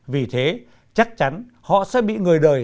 vì thế chắc chắn họ sẽ bị người đời